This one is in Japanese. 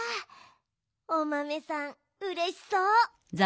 おまめさんうれしそう。